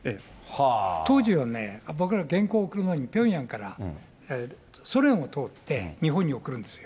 当時はね、僕ら、原稿を送るのに、ピョンヤンからソ連を通って、日本に送るんですよ。